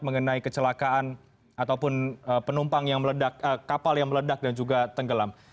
mengenai kecelakaan ataupun penumpang yang meledak kapal yang meledak dan juga tenggelam